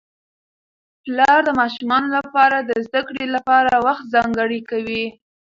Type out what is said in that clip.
پلار د ماشومانو لپاره د زده کړې لپاره وخت ځانګړی کوي